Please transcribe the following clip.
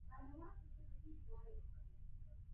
ولي ناوخته راغلاست؟